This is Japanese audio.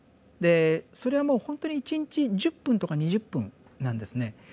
でそれはもうほんとに一日１０分とか２０分なんですね。